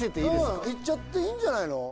うんいっちゃっていいんじゃないの？